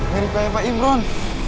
mirip kayak pak imran